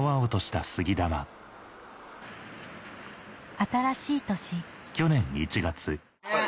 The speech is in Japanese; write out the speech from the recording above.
新しい年